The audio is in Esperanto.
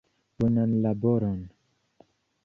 Bonan laboron!